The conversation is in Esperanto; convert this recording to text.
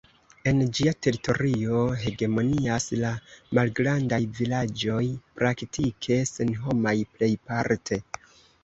En ĝia teritorio hegemonias la malgrandaj vilaĝoj, praktike senhomaj plejparte.